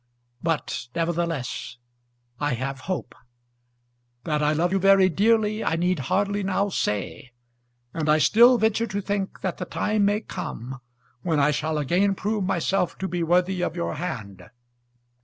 But, nevertheless, I have hope. That I love you very dearly I need hardly now say; and I still venture to think that the time may come when I shall again prove myself to be worthy of your hand.